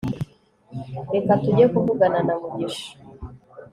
reka tujye kuvugana na mugisha